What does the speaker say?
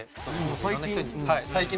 最近。